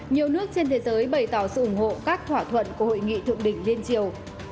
nhiều nước trên thế giới bày tỏ sự ủng hộ các thỏa thuận của hội nghị thượng đỉnh liên triều